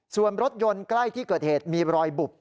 ส่วนรถยนต์ใกล้ที่เกิดเหตุมีรอยบุบ